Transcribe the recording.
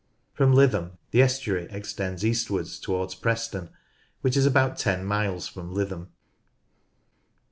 From Lytham the estuary extends eastwards towards Preston, which is about ten miles from Lytham.